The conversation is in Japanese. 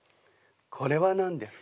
これは何ですか？